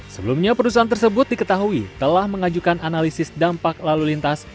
sebelumnya perusahaan tersebut diketahui telah mengajukan analisis dampak lalu lintas